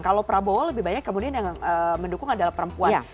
kalau prabowo lebih banyak kemudian yang mendukung adalah perempuan